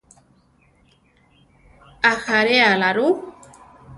¿Ajaréala rú?